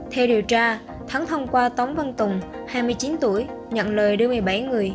theo điều tra thắng thông qua tóm văn tùng hai mươi chín tuổi nhận lời đưa một mươi bảy người